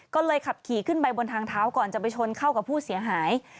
ก็เลยขับขี่ขึ้นไปบนทางเท้าก่อนจะไปชนเข้ากับผู้เสียหาย